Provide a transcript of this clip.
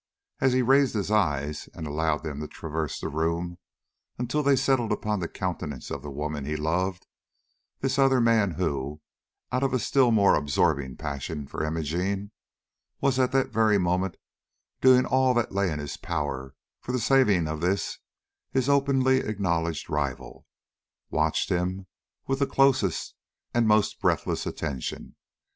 As he raised his eyes and allowed them to traverse the room until they settled upon the countenance of the woman he loved, this other man who, out of a still more absorbing passion for Imogene, was at that very moment doing all that lay in his power for the saving of this his openly acknowledged rival, watched him with the closest and most breathless attention.